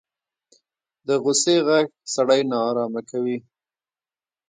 د غوسې غږ سړی نارامه کوي